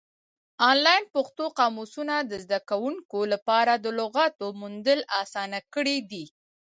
آنلاین پښتو قاموسونه د زده کوونکو لپاره د لغاتو موندل اسانه کړي دي.